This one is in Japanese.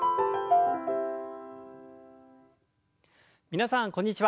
皆さんこんにちは。